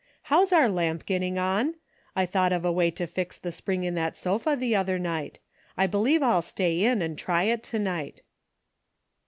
How's our lamp getting on ? I thought of a way to fix the spring in that sofa the other night. I be lieve I'll stay in and try it to night."